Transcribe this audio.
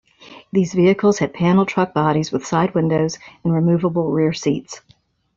These vehicles had panel truck bodies with side windows and removable rear seats.